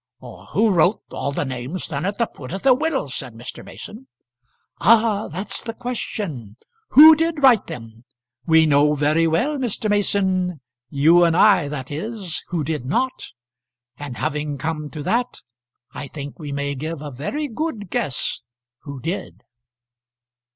"Who wrote all the names then at the foot of the will?" said Mr. Mason. "Ah! that's the question. Who did write them? We know very well, Mr. Mason, you and I that is, who did not. And having come to that, I think we may give a very good guess who did."